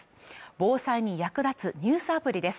防災に役立つニュースアプリです。